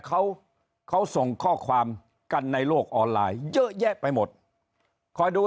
เขาเขาส่งข้อความกันในโลกออนไลน์เยอะแยะไปหมดคอยดู